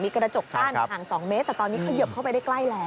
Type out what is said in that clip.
กระจกกั้นห่าง๒เมตรแต่ตอนนี้เขยิบเข้าไปได้ใกล้แล้ว